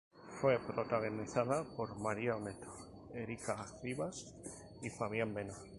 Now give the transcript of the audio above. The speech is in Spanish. Fue protagonizada por María Onetto, Érica Rivas, y Fabián Vena.